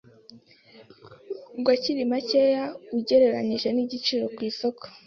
ngo akiri makeya ugereranije n’ibiciro ku isoko